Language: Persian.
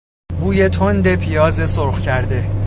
بوی تند پیاز سرخ کرده